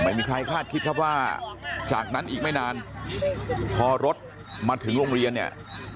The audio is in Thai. ไม่มีใครคาดคิดครับว่าจากนั้นอีกไม่นานพอรถมาถึงโรงเรียนเนี่ย